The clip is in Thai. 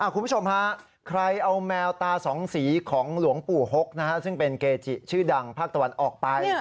คุณผู้ชมฮะใครเอาแมวตาสองสีของหลวงปู่หกซึ่งเป็นเกจิชื่อดังภาคตะวันออกไป